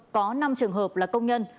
có năm trường hợp là công nhân